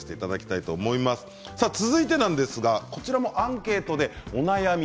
続いては、こちらもアンケートでお悩み